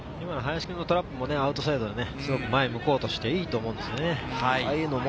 林君のトラップもアウトサイドで前を向こうとしていいと思うんですよね。